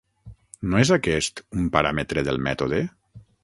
No és aquest un paràmetre del mètode?